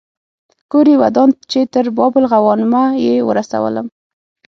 کور یې ودان چې تر باب الغوانمه یې ورسولم.